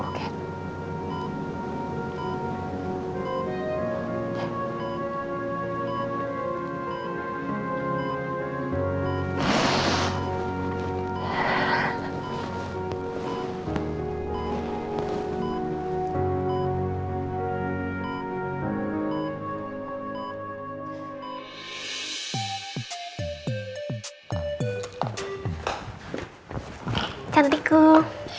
ayo berbicara dulu